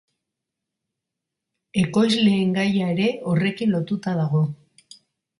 Ekoizleen gaia ere horrekin lotuta dago.